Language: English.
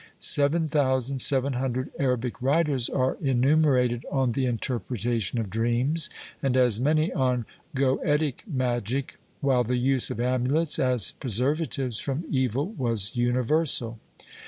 Seven thousand seven hundred Arabic writers are enumerated on the interpretation of dreams, and as many on goetic magic, while the use of amulets as preservatives from evil was universal.